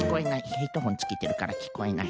ヘッドホンつけてるからきこえない。